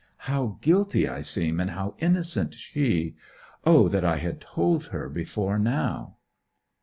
How guilty I seem, and how innocent she! O that I had told her before now!